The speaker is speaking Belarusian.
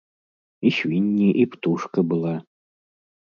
І свінні, і птушка была.